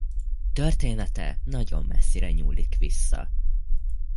Története nagyon messzire nyúlik vissza.